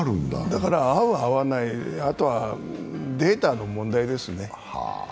だから合う、合わない、あとはデータの問題ですね。